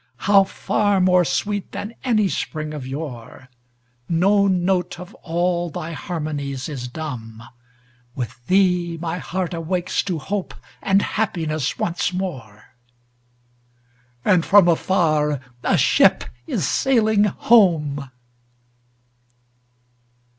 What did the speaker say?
—how far more sweet than any spring of yore! No note of all thy harmonies is dumb; With thee my heart awakes to hope and happiness once more, And from afar a ship is sailing home!